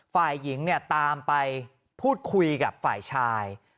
ฝ่ายหญิงเนี่ยตามไปพูดคุยกับฝ่ายชาย